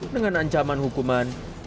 dengan ancaman hukuman